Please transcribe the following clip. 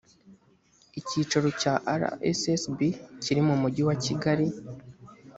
icyicaro cya rssb kiri mu mujyi wa kigali